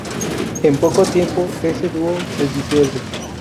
En poco tiempo ese dúo se disuelve.